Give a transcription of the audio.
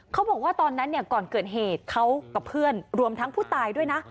เขาบอกว่าตอนนั้นก่อนเกิดเหตุเขากับเพื่อนรวมทั้งผู้ตายด้วยนะ